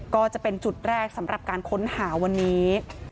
ก็จะเป็นจุดแรกสำหรับการค้นหาวันนี้